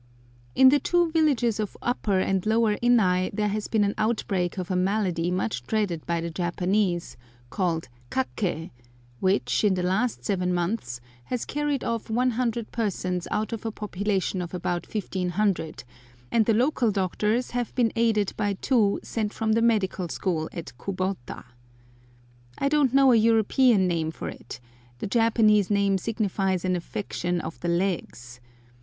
In the two villages of Upper and Lower Innai there has been an outbreak of a malady much dreaded by the Japanese, called kak'ké, which, in the last seven months, has carried off 100 persons out of a population of about 1500, and the local doctors have been aided by two sent from the Medical School at Kubota. I don't know a European name for it; the Japanese name signifies an affection of the legs.